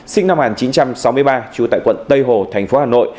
sinh năm một nghìn chín trăm sáu mươi ba trú tại quận tây hồ thành phố hà nội